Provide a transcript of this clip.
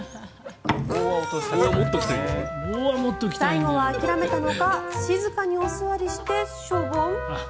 最後は諦めたのか静かにお座りして、しょぼん。